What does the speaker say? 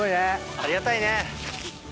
ありがたいね。